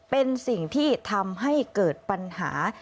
เป็นสิ่งที่ทำให้เกิดปัญหา